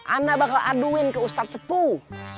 anak bakal aduin ke ustad sepuh